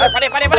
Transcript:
pak d pak d pak d